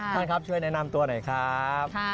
ท่านครับช่วยแนะนำตัวหน่อยครับ